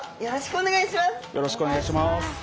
お願いします。